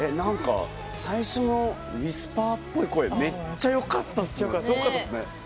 最初のウィスパーっぽい声めっちゃよかったっすね。